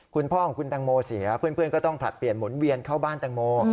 คุณพ่อของคุณแตงโมเสียเพื่อนก็ต้องผลัดเปลี่ยนหมุนเวียนเข้าบ้านแตงโม